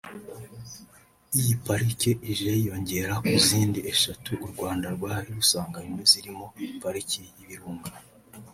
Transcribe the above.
Iyi Pariki ije yiyongera ku zindi eshatu u Rwanda rwari rusanganywe zirimo Pariki y’Ibirunga